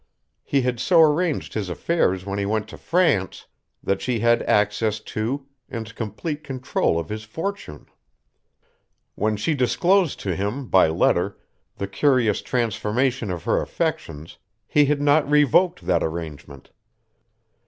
He had so arranged his affairs when he went to France that she had access to and complete control of his fortune. When she disclosed to him by letter the curious transformation of her affections, he had not revoked that arrangement.